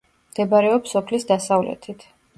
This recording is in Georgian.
მდებარეობს სოფლის დასავლეთით.